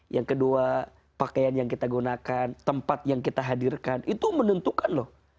yang kedua pakaian yang kita gunakan tempat yang kita hadirkan itu menentukan loh